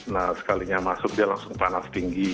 nah sekalinya masuk dia langsung panas tinggi